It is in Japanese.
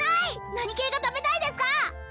何系が食べたいですか？